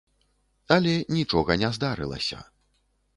Але нічога не здарылася.